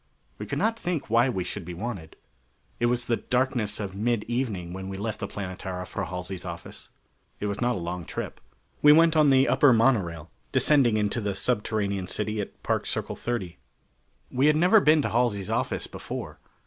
We could not think why we should be wanted. It was the darkness of mid evening when we left the Planetara for Halsey's office. It was not a long trip. We went on the upper monorail, descending into the subterranean city at Park Circle 30. We had never been to Halsey's office before.